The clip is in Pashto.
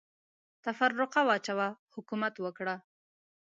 تفرقه واچوه ، حکومت وکړه.